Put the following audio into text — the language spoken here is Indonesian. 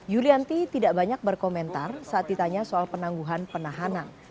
yulianti tidak banyak berkomentar saat ditanya soal penangguhan penahanan